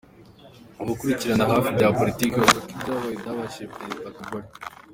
Abakurikiranira hafi ibya politiki bavuga ko ibyabaye byababaje Perezida Kabore.